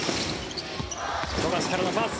富樫からのパス